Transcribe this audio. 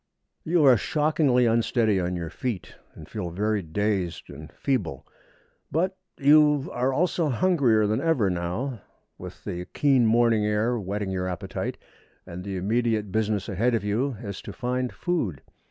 You are shockingly unsteady on your feet, and feel very dazed and feeble; but you are also hungrier than ever now, with the keen morning air whetting your appetite, and the immediate business ahead of you is to find food.